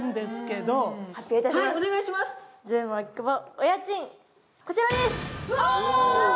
お家賃、こちらです！